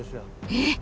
えっ！？